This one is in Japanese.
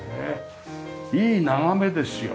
いい眺めですよ。